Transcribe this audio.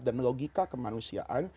dan logika kemanusiaan